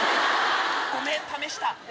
ごめん試した。